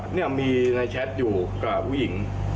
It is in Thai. เนี่ยมีในแชทอยู่กับผู้หญิง